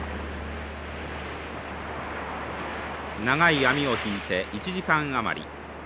長い網を引いて１時間余り。